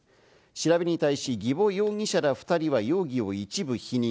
調べに対し儀保容疑者ら２人は容疑を一部否認。